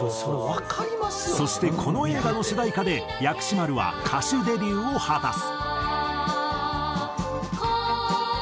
そしてこの映画の主題歌で薬師丸は歌手デビューを果たす。